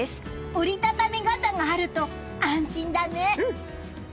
折り畳み傘があると安心だね！